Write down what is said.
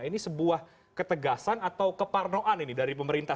ini sebuah ketegasan atau keparnoan ini dari pemerintah